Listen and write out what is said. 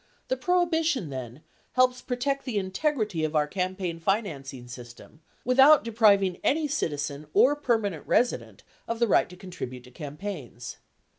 The prohibition, then, helps protect the integrity of our campaign financing system without depriving any citizen or perma nent resident of the right to contribute to campaigns.